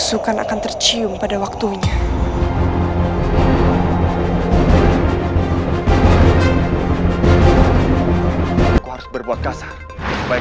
sampai jumpa di video selanjutnya